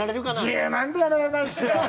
１０万でやめられないですよ。